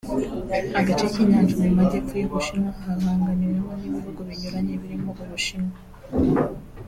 Agace k’inyanja yo mu majyepfo y’u Bushinwa gahanganiweho n’ibihugu binyuranye birimo u Bushinwa